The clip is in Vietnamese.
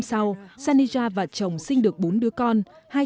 một mươi bốn năm sau shanija và chồng sinh được bốn đứa con hai trai và hai gái